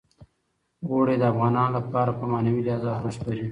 اوړي د افغانانو لپاره په معنوي لحاظ ارزښت لري.